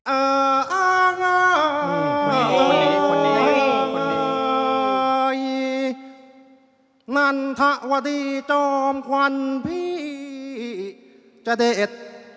เอ่ออ่าง่ายนั่นถ้าวดีจอมควันพี่จะเด็ด